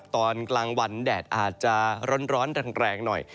ตอนกลางวันแดดอาจจะร้อนแรงหน่อย